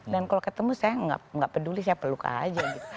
dan kalau ketemu saya gak peduli saya peluk aja gitu